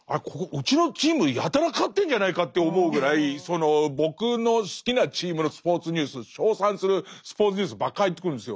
うちのチームやたら勝ってるんじゃないかって思うぐらいその僕の好きなチームのスポーツニュース称賛するスポーツニュースばっか入ってくるんですよ。